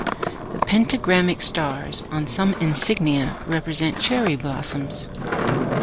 The pentagramic stars on some insignia represent cherry blossoms.